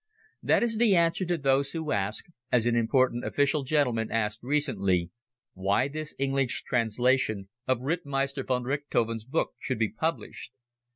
That is the answer to those who ask, as an important official gentleman asked recently, why this English translation of Rittmeister von Richthofen's book should be published.